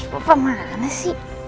papa mana kena sih